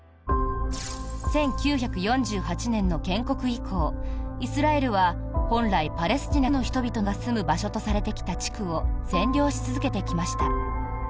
１９４８年の建国以降イスラエルは本来、パレスチナの人々が住む場所とされてきた地区を占領し続けてきました。